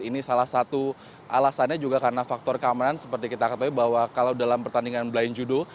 ini salah satu alasannya juga karena faktor keamanan seperti kita ketahui bahwa kalau dalam pertandingan blind judo